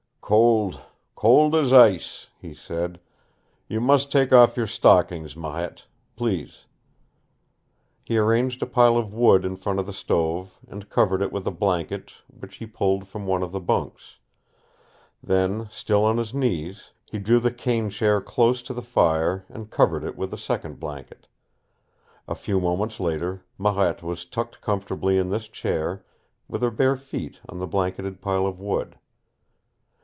"Cold cold as ice," he said. "You must take off your stockings, Marette. Please." He arranged a pile of wood in front of the stove and covered it with a blanket which he pulled from one of the bunks. Then, still on his knees, he drew the cane chair close to the fire and covered it with a second blanket. A few moments later Marette was tucked comfortably in this chair, with her bare feet on the blanketed pile of wood.